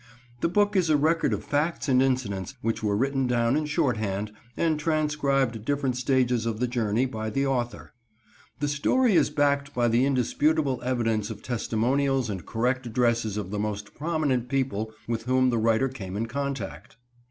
The book is a record of facts and incidents, which were written down in shorthand, and transcribed at different stages of the journey by the author. The story is backed by the indisputable evidence of testimonials and correct addresses of the most prominent people with whom the writer came in contact.